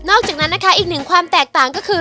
อกจากนั้นนะคะอีกหนึ่งความแตกต่างก็คือ